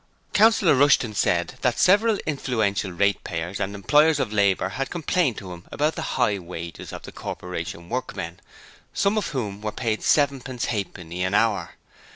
Councillor Rushton said that several influential ratepayers and employers of labour had complained to him about the high wages of the Corporation workmen, some of whom were paid sevenpence halfpenny an hour.